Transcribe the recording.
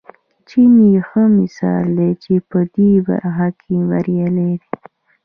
چین یې ښه مثال دی چې په دې برخه کې بریالی دی.